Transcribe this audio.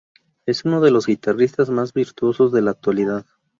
Es uno de los guitarristas mas virtuosos de la actualidad.